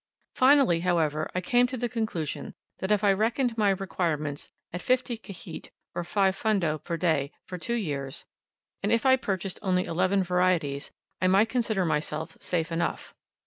Finally, however, I came to the conclusion that if I reckoned my requirements at fifty khete, or five fundo per day, for two years, and if I purchased only eleven varieties, I might consider myself safe enough.